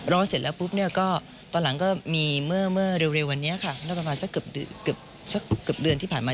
ร้องเสร็จแล้วปุ๊บเนี่ยก็ตอนหลังก็มีเมื่อเมื่อสร้างเถียวรื่อนี้ค่ะ